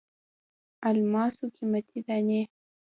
الماسو قیمتي دانې.